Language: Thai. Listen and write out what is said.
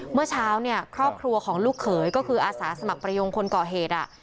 เมื่อเช้าเนี่ยครอบครัวของลูกเขยก็คืออาสาสมัครประยงคนก่อเหตุ